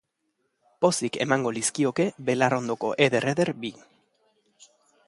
Pozik emango lizkioke belarrondoko eder-eder bi.